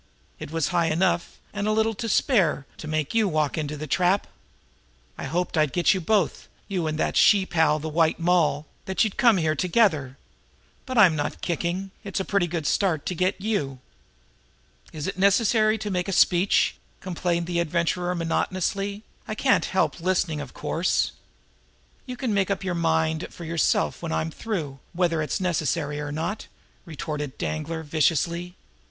It was high enough, and a little to spare, to make you walk into the trap! I hoped I'd get you both, you and your she pal, the White Moll; that you'd come here together but I'm not kicking. It's a pretty good start to get you!" "Is it necessary to make a speech?" complained the Adventurer monotonously. "I can't help listening, of course." "You can make up your mind for yourself when I'm through whether it's necessary or not!" retorted Danglar viciously.